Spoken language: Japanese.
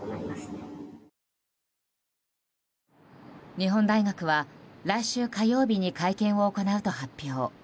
日本大学は来週火曜日に会見を行うと発表。